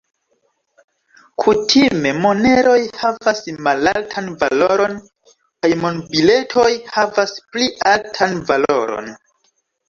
Kutime, moneroj havas malaltan valoron kaj monbiletoj havas pli altan valoron.